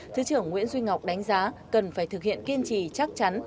thứ trưởng nguyễn duy ngọc đánh giá cần phải thực hiện kiên trì chắc chắn